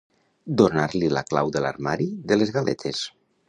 Donar-li la clau de l'armari de les galetes.